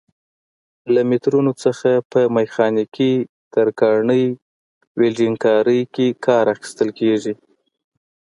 له مترونو څخه په میخانیکي، ترکاڼۍ، ولډنګ کارۍ کې کار اخیستل کېږي.